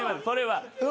それは。